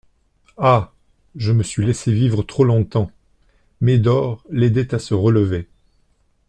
Ah ! je me suis laissé vivre trop longtemps ! Médor l'aidait à se relever.